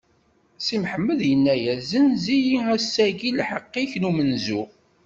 Si Mḥemmed inna-as: Zzenz-iyi ass-agi lḥeqq-ik n umenzu.